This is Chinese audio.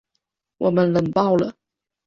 我们冷爆了